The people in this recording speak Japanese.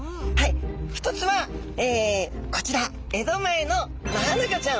一つはこちら江戸前のマアナゴちゃん。